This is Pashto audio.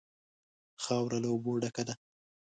خاوره له اوبو ډکه ده.